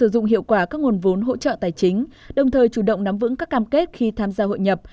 sử dụng hiệu quả các nguồn vốn hỗ trợ tài chính đồng thời chủ động nắm vững các cam kết khi tham gia hội nhập